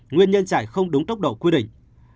nguyên nhân chạy không đúng tốc độ quy định